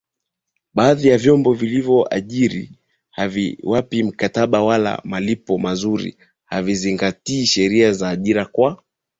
baadhi ya vyombo vilivyowaajiri haviwapi mikataba wala malipo mazuri havizingatii sheria za ajira kwa